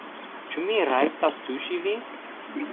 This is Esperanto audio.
Ĉu mi rajtas tuŝi vin?